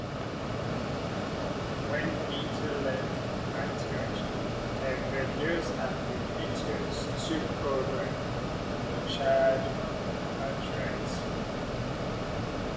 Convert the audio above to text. When Peter left Antioch, Evodios and Ignatius took over the charge of the Patriarchate.